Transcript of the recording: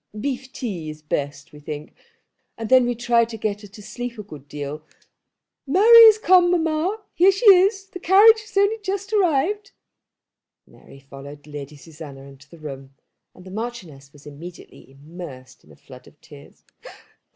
Beef tea is best, we think; and then we try to get her to sleep a good deal. Mary has come, mamma. Here she is. The carriage has only just arrived." Mary followed Lady Susanna into the room, and the Marchioness was immediately immersed in a flood of tears.